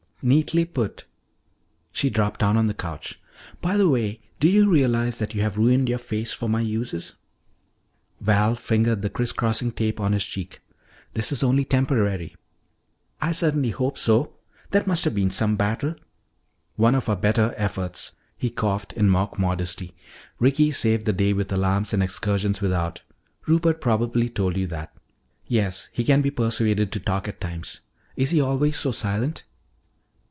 "Neatly put." She dropped down on the couch. "By the way, do you realize that you have ruined your face for my uses?" Val fingered the crisscrossing tape on his cheek. "This is only temporary." "I certainly hope so. That must have been some battle." "One of our better efforts." He coughed in mock modesty. "Ricky saved the day with alarms and excursions without. Rupert probably told you that." "Yes, he can be persuaded to talk at times. Is he always so silent?"